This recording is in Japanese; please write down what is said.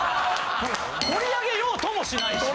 盛り上げようともしないし。